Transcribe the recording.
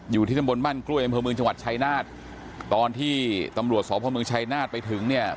อยู่ที่น้ำบนบ้านกล้วยบนประเมิงจังหวัดชายนาฏตอนที่ตำรวจสอบประเมิงชายนาฏไปถึงเนี่ย